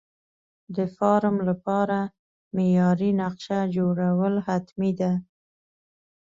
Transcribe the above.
د فارم لپاره معیاري نقشه جوړول حتمي ده.